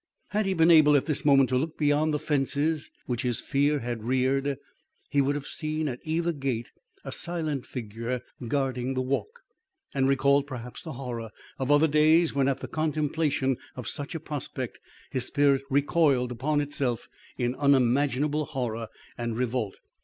Had he been able at this moment to look beyond the fences which his fear had reared, he would have seen at either gate a silent figure guarding the walk, and recalled, perhaps, the horror of other days when at the contemplation of such a prospect, his spirit recoiled upon itself in unimaginable horror and revolt.